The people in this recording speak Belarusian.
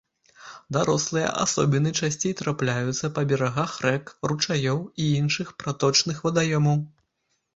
Дарослыя асобіны часцей трапляюцца па берагах рэк, ручаёў і іншых праточных вадаёмаў.